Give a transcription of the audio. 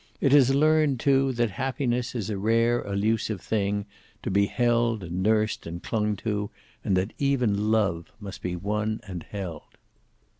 It has learned, too, that happiness is a rare elusive thing, to be held and nursed and clung to, and that even love must be won and held.